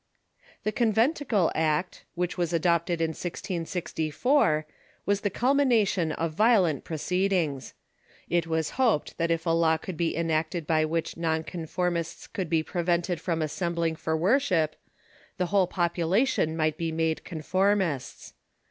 The Conventicle Act, which was adopted in 1664, was the culmination of violent proceedings. It Avas hoped that if a „^...... law could be enacted by which non conformists Public Meetings n r i i <■ could be prevented from assembling for worship the whole population might be made conformists.